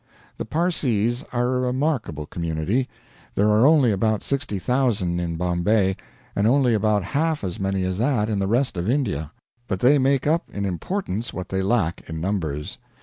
The Parsees are a remarkable community. There are only about 60,000 in Bombay, and only about half as many as that in the rest of India; but they make up in importance what they lack in numbers.